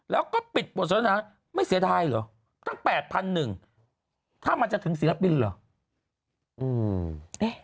แล้วก็ปิดบทสนทนาไม่เสียดายเหรอตั้ง๘๑๐๐ถ้ามันจะถึงศิลปินเหรอ